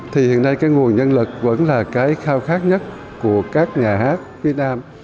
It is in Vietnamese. thì hiện nay cái nguồn nhân lực vẫn là cái khao khát nhất của các nhà hát phía nam